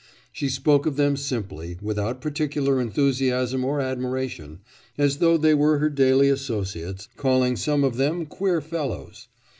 She spoke of them simply, without particular enthusiasm or admiration, as though they were her daily associates, calling some of them queer fellows.